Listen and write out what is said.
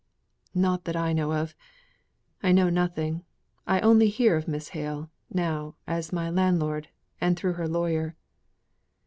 "Not that I know of. I know nothing. I only hear of Miss Hale, now, as my landlord, and through her lawyer."